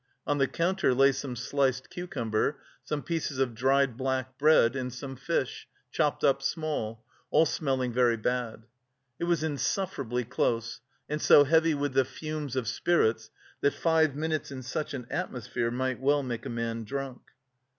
On the counter lay some sliced cucumber, some pieces of dried black bread, and some fish, chopped up small, all smelling very bad. It was insufferably close, and so heavy with the fumes of spirits that five minutes in such an atmosphere might well make a man drunk.